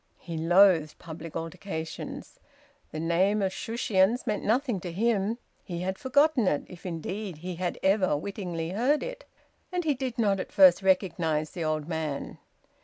He loathed public altercations. The name of Shushions meant nothing to him; he had forgotten it, if indeed he had ever wittingly heard it. And he did not at first recognise the old man.